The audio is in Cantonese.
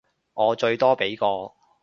我最多畀個